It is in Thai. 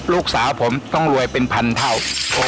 ลูกสาวผมต้องรวยเป็นพันเท่า